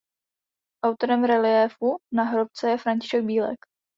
Autorem reliéfu na hrobce je František Bílek.